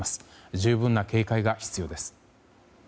十分な警戒が必要です。